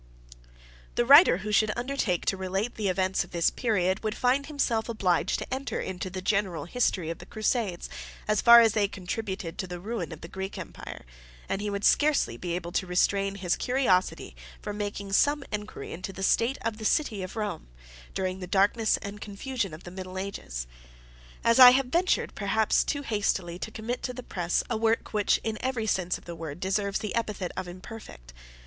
The writer who should undertake to relate the events of this period, would find himself obliged to enter into the general history of the Crusades, as far as they contributed to the ruin of the Greek Empire; and he would scarcely be able to restrain his curiosity from making some inquiry into the state of the city of Rome, during the darkness and confusion of the middle ages. As I have ventured, perhaps too hastily, to commit to the press a work which in every sense of the word, deserves the epithet of imperfect.